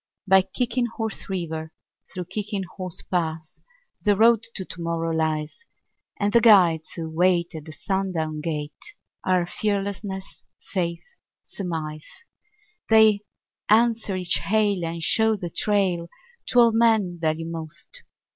By Kicking Horse River, through Kicking Horse Pass, The Road to Tomorrow lies; And the guides who wait at the sundown gate Are Fearlessness, Faith, Surmise. They answer each hail and show the trail To all men value most.